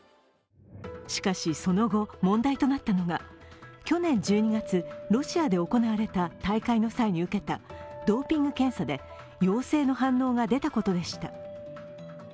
しかし、その後、問題となったのが去年１２月、ロシアで行われた大会の際に受けたドーピング検査で陽性の反応が出たことでした。